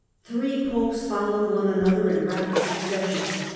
Three Popes followed Hadrian oue another in rapid succession.